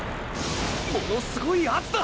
ものすごい圧だ！！